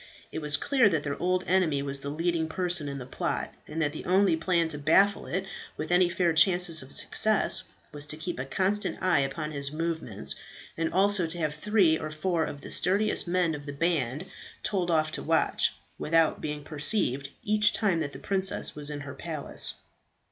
It was clear that their old enemy was the leading person in the plot, and that the only plan to baffle it with any fair chances of success was to keep a constant eye upon his movements, and also to have three or four of the sturdiest men of the band told off to watch, without being perceived, each time that the princess was in her palace.